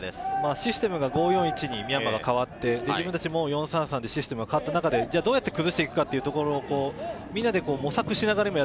システムが５−４−１にミャンマーが変わって自分たちも４−３−３でシステムが変わった中で、どうやって崩していくかというところ。